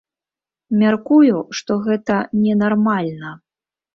Мяркую, што гэта не нармальна.